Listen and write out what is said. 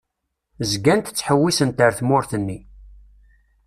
Zgant ttḥewwisent ar tmurt-nni.